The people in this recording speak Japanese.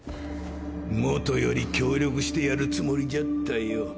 もとより協力してやるつもりじゃったよ。